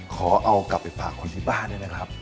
ขอเอากลับไปฝากคนที่บ้านด้วยนะครับ